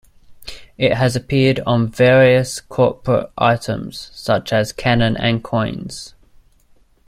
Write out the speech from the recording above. It appeared on various corporate items, such as cannon and coins.